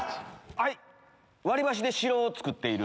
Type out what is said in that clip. はい！